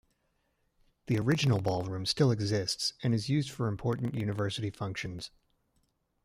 The original ballroom still exists, and is used for important university functions.